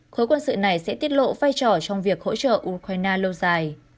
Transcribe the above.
khối quân sự này sẽ tiết lộ vai trò trong việc hỗ trợ ukraine lâu dài